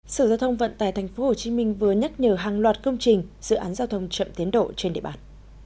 sở giao thông vận tài tp hcm vừa nhắc nhở hàng loạt công trình dự án giao thông chậm tiến độ trên địa bàn